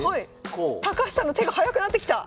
高橋さんの手が速くなってきた！